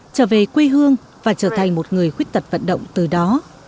trở về quê hương và trở thành một người khuyết tật vận động từ đó